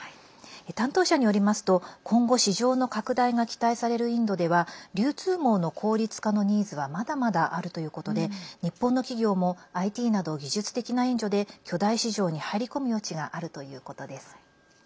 担当者によりますと今後、市場の拡大が期待されるインドでは流通網の効率化のニーズはまだまだあるということで日本の企業もＩＴなど技術的な援助で巨大市場に入り込む余地があるということです。